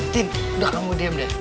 din udah kamu diam dah